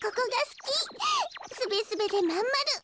すべすべでまんまる。